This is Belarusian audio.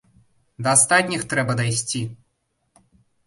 Да астатніх трэба дайсці!